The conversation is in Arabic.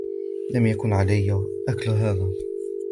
لم يكن عليّ أكل هذا.